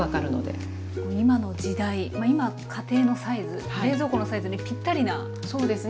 今の時代今家庭のサイズ冷蔵庫のサイズにぴったりなアイデアですね。